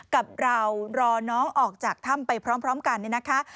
กับเรารอน้องออกจากถ้ำไปพร้อมกันเนี่ยนะคะ